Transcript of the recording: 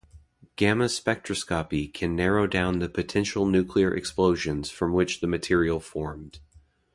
Gamma spectroscopy can narrow down the potential nuclear explosions from which the material formed.